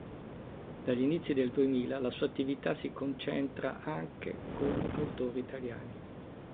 Dagli inizi del duemila la sua attività si concentra anche con autori italiani.